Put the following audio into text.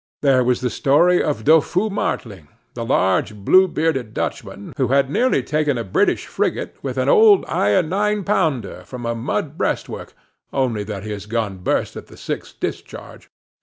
There was the story of Doffue Martling, a large blue bearded Dutchman, who had nearly taken a British frigate with an old iron nine pounder from a mud breastwork, only that his gun burst at the sixth discharge.